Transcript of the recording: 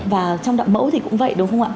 và trong đạo mẫu thì cũng vậy đúng không ạ